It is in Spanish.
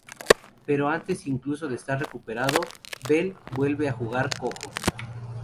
Pero antes incluso de estar recuperado, Bell vuelve a jugar, cojo.